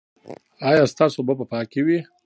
ایا ستاسو اوبه به پاکې وي؟